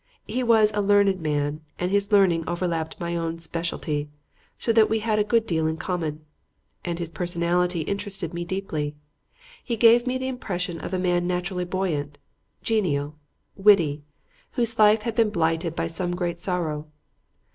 He was a learned man and his learning overlapped my own specialty, so that we had a good deal in common. And his personality interested me deeply. He gave me the impression of a man naturally buoyant, genial, witty, whose life had been blighted by some great sorrow.